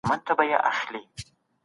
هغه څوک چي انصاف کوي، درناوی کېږي.